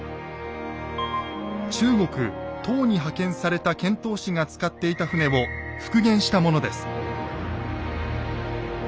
中国唐に派遣された遣唐使が使っていた船を復元したものです。